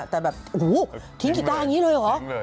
อู๋ืาทิ้งกีตาร์อย่างนี้เลยหรอ